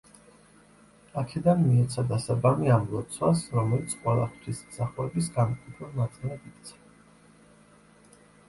აქედან მიეცა დასაბამი ამ ლოცვას, რომელიც ყველა ღვთისმსახურების განუყოფელ ნაწილად იქცა.